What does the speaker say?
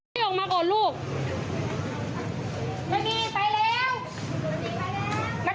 เดี๋ยวให้กลางกินขนม